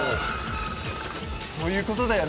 そういうことだよね？